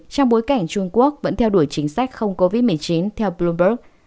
trong bối cảnh trung quốc vẫn theo đuổi chính sách không covid một mươi chín theo bloomberg